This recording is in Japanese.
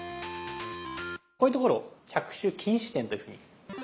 こういうところ「着手禁止点」というふうに。